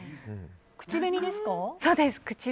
口紅です。